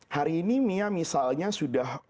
hari ini mia misalnya sudah